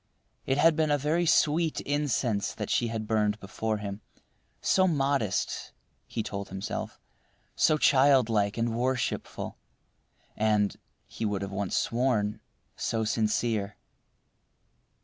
It had been a very sweet incense that she had burned before him; so modest (he told himself); so childlike and worshipful, and (he would once have sworn) so sincere.